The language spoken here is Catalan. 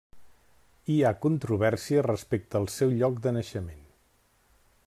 Hi ha controvèrsia respecte al seu lloc de naixement.